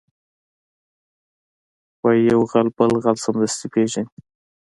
وایي یو غل بل غل سمدستي پېژني